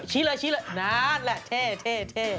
ชี้เลยชี้เลยนั่นแหละเท่